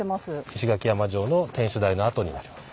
石垣山城の天守台の跡になります。